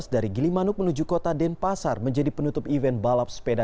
dari gilimanuk menuju kota denpasar menjadi penutup event balap sepeda